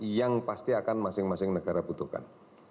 yang pasti akan masing masing negara butuhkan